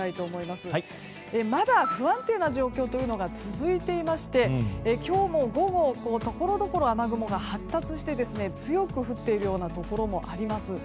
まだ不安定な状況というのが続いていまして今日も午後、ところどころ雨雲が発達して強く降っているようなところもあります。